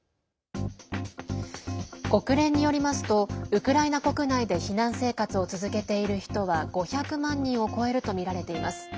国連によりますとウクライナ国内で避難生活を続けている人は５００万人を超えるとみられています。